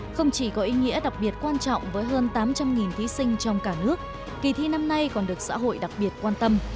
không chỉ có ý nghĩa đặc biệt quan trọng với hơn tám trăm linh thí sinh trong cả nước kỳ thi năm nay còn được xã hội đặc biệt quan tâm